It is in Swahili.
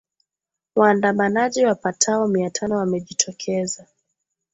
waandamanaji wapatao mia tano wamejitokeza